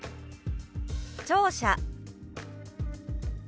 「聴者」。